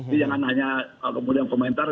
jadi jangan hanya kemudian komentar